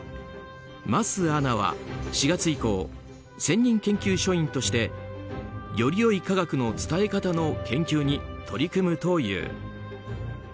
桝アナは、４月以降専任研究所員としてよりよい科学の伝え方の研究に取り組むという。